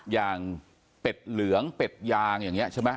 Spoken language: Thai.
เป็ดเหลืองเป็ดยางอย่างนี้ใช่ไหม